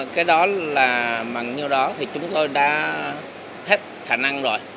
cái đó là bằng như đó thì chúng tôi đã hết khả năng rồi